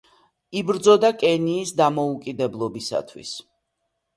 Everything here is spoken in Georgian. იბრძოდა კენიის დამოუკიდებლობისათვის.